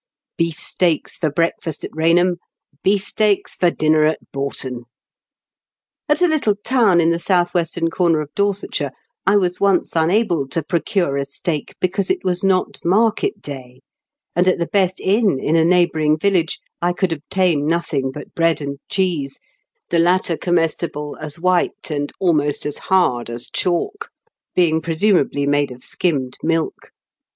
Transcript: Beef steaks for breakfast at Eainham, beef steaks for dinner at Boughton ! At a little town in the south western corner of Dorsetshire, I was once unable to procure a steak, because it was not market day ; and at the best inn in a neighbouring village I could obtain nothing but bread and cheese, the latter comestible as white and almost as hard as chalk, being presumably made of skimmed milk.